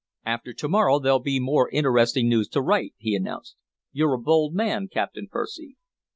"After to morrow there'll be more interesting news to write," he announced. "You're a bold man, Captain Percy."